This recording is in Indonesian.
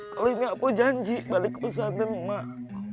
kali ini aku janji balik ke pesantren emak